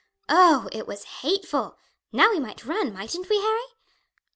Oh, it was hateful! Now we might run, mightn't we, Harry?"